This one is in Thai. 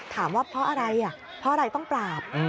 ถามว่าเพราะอะไรเพราะอะไรต้องปราบ